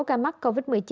ca mắc covid một mươi chín